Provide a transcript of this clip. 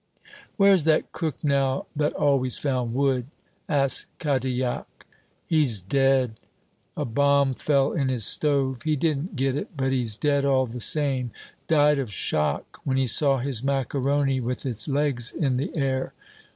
"Where's that cook now that always found wood?" asks Cadilhac. "He's dead. A bomb fell in his stove. He didn't get it, but he's dead all the same died of shock when he saw his macaroni with its legs in the air.